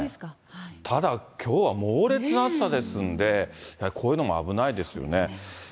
ただ、きょうは猛烈な暑さですんで、こういうのも危ないですよね。